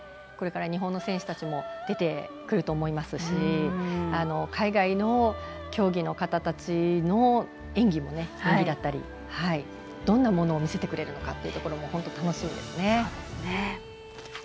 これから日本の選手も出てくると思いますし海外の競技の方たちの演技もどんなものを見せてくれるのか楽しみですね。